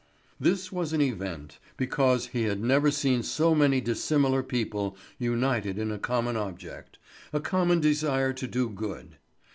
This was an event, because he had never seen so many dissimilar people united in a common object, a common desire to do good.